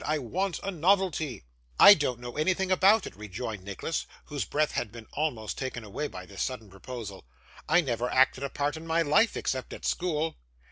I want a novelty.' 'I don't know anything about it,' rejoined Nicholas, whose breath had been almost taken away by this sudden proposal. 'I never acted a part in my life, except at school.